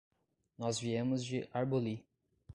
Nós viemos de Arbolí.